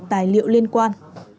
tài liệu liên quan